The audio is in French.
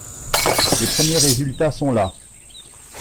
Les premiers résultats sont là.